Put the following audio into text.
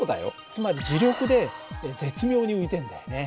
つまり磁力で絶妙に浮いてるんだよね。